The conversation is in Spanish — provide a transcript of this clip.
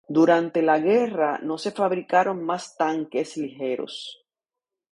Durante la guerra no se fabricaron más tanques ligeros.